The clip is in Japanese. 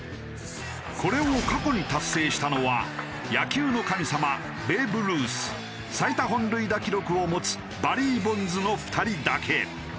これを過去に達成したのは野球の神様ベーブ・ルース最多本塁打記録を持つバリー・ボンズの２人だけ。